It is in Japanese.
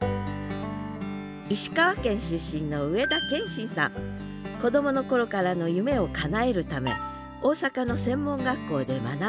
石川県出身の子どもの頃からの夢をかなえるため大阪の専門学校で学び